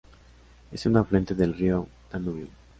Es un afluente del río Danubio.